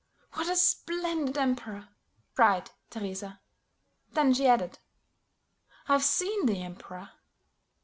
"What a splendid emperor!" cried Teresa. Then she added, "I've seen the Emperor."